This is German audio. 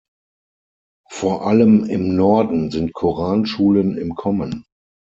Vor allem im Norden sind Koranschulen im Kommen.